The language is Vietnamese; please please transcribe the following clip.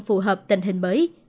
phù hợp tình hình mới